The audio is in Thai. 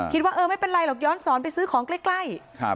คิดว่าเออไม่เป็นไรหรอกย้อนสอนไปซื้อของใกล้